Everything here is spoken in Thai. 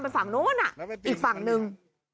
ไปฝั่งโน้นอ่ะอีกฝั่งนึง